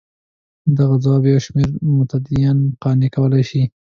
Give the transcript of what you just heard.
دغه ځواب یو شمېر متدینان قانع کولای شي.